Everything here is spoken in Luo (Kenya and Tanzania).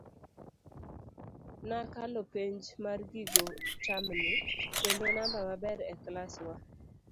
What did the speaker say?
Nakalo penj mar gigo tam ni, kendo namba maber e klas wa.